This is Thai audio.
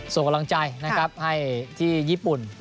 ส่งกำลังใจให้ที่ญี่ปุ่น